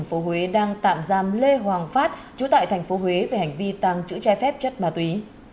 cơ quan cảnh sát điều tra công an tp huế đang tạm giam lê hoàng phát trú tại tp huế về hành vi tàng trữ trai phép chất ma túy